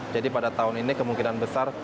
jadi pada tahun ini kemungkinan besar